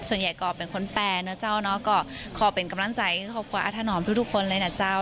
ส่วนใหญ่ก็เป็นคนแปลนะเจ้าเนอะก็ขอเป็นกำลังใจให้ครอบครัวอาถนอมทุกคนเลยนะเจ้า